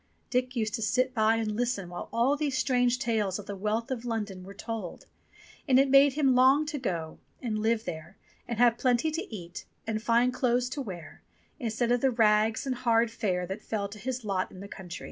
Dick used to sit by and listen while all these strange tales of the wealth of London were told, and it made him long to go and live there and have plenty to eat and fine clothes to wear instead of the rags and hard fare that fell to his lot in the country.